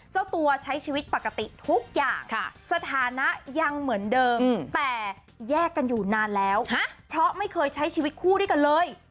เจ้าตัวใช้ชีวิตปกติทุกอย่างสถานะยังเหมือนเดิมแต่แยกกันอยู่นานแล้วเพราะไม่เคยใช้ชีวิตคู่ด้วยกันเลย